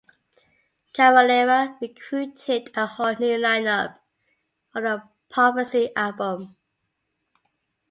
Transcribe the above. Cavalera recruited a whole new line-up for the "Prophecy" album.